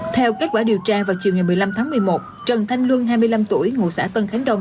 theo kết quả điều tra vào chiều ngày một mươi năm tháng một mươi một trần thanh luân hai mươi năm tuổi ngụ xã tân khánh đông